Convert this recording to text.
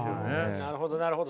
なるほどなるほど。